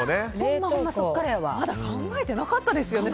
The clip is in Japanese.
まだ考えてなかったですよね